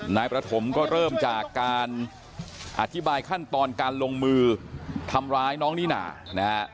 นายประถมก็เริ่มจากการอธิบายขั้นตอนการลงมือทำร้ายน้องนิน่านะฮะ